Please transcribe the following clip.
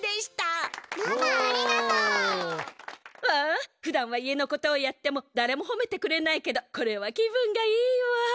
わあふだんは家のことをやってもだれもほめてくれないけどこれは気分がいいわ！